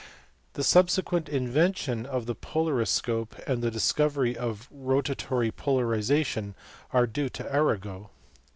The subsequent invention of the polariscope and discovery of rotatory polarization are due to Arago.